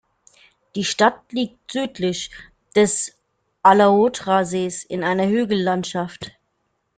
Die Stadt liegt südlich des Alaotra-Sees in einer Hügellandschaft.